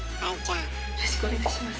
よろしくお願いします。